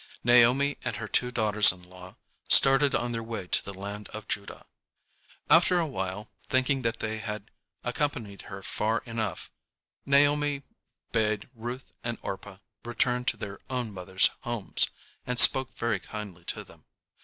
Naomi and her two daughters in law started on their way to the land of Judah. After a while, thinking that they had accompanied her far enough, Naomi bade Ruth and Orpah return to their own mothers' homes, and spoke very kindly to them.